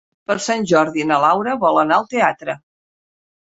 Per Sant Jordi na Laura vol anar al teatre.